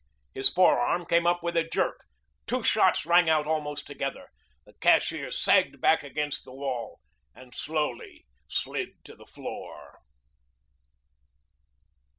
His forearm came up with a jerk. Two shots rang out almost together. The cashier sagged back against the wall and slowly slid to the floor.